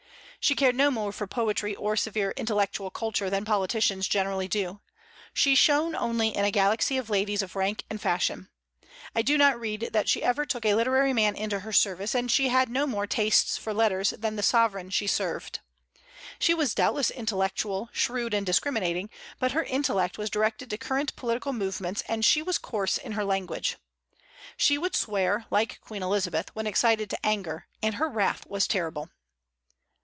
She cared no more for poetry or severe intellectual culture than politicians generally do. She shone only in a galaxy of ladies of rank and fashion. I do not read that she ever took a literary man into her service, and she had no more taste for letters than the sovereign she served. She was doubtless intellectual, shrewd, and discriminating; but her intellect was directed to current political movements, and she was coarse in her language. She would swear, like Queen Elizabeth, when excited to anger, and her wrath was terrible.